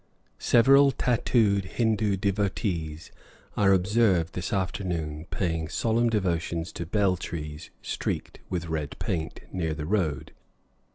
Several tattooed Hindoo devotees are observed this afternoon paying solemn devotions to bel trees streaked with red paint, near the road.